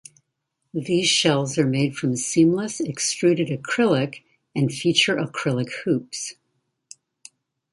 These shells are made from seamless, extruded acrylic and feature acrylic hoops.